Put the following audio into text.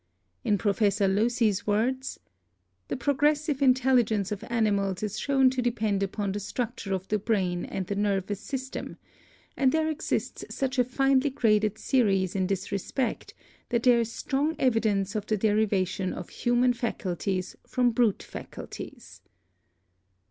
In Professor Locy's words : "The progressive intelligence of animals is shown to depend upon the structure of the brain and the nervous system, and there exists such a finely graded series in this respect that there is strong evidence of the derivation of human faculties from brute faculties."